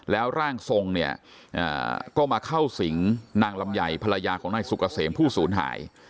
แล้วร่างทรงเนี่ยก็มาเข้าสิงนางลำไยภรรยาของนายสุกเกษมผู้ศูนย์หาย